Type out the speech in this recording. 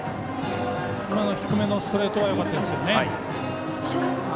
今の低めのストレートはよかったですよね。